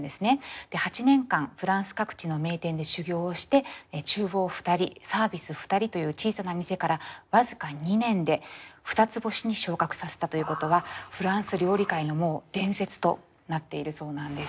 で８年間フランス各地の名店で修業をして厨房２人サービス２人という小さな店から僅か２年で２つ星に昇格させたということはフランス料理界の伝説となっているそうなんです。